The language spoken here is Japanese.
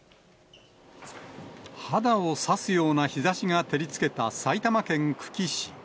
肌を刺すような日ざしが照りつけた埼玉県久喜市。